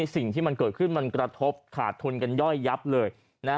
สิ่งที่มันเกิดขึ้นมันกระทบขาดทุนกันย่อยยับเลย